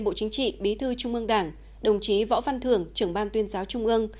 bộ chính trị bí thư trung ương đảng đồng chí võ văn thưởng trưởng ban tuyên giáo trung ương